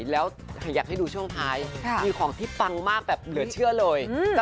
แล้วอยากให้ดูช่วงท้ายมีของที่ปังมากแบบเหลือเชื่อเลย